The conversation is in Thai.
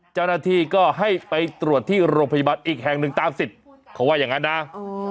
เจ้าหน้าที่ก็ให้ไปตรวจที่โรงพยาบาลอีกแห่งหนึ่งตามสิทธิ์เขาว่าอย่างนั้นนะ